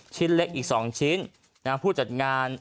ชิ้นเล็กอีก๒ชิ้น